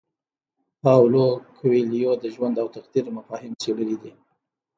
پاولو کویلیو د ژوند او تقدیر مفاهیم څیړلي دي.